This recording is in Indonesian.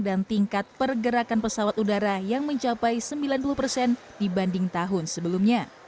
dan tingkat pergerakan pesawat udara yang mencapai sembilan puluh persen dibanding tahun sebelumnya